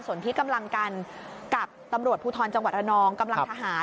ส่วนที่กำลังกันกับตำรวจภูทรจังหวัดระนองกำลังทหาร